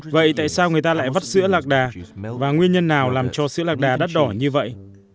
vậy tại sao người ta lại vắt sữa lạc đà và nguyên nhân nào làm cho sữa lạc đà đắt đỏ như vậy